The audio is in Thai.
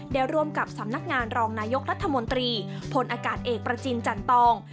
ได้ร่วมกับสำนักงานรองนายกรัฐมนตรีพลอากาศเอกประจินจันตอง